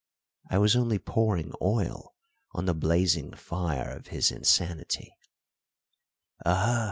I was only pouring oil on the blazing fire of his insanity. "Aha!"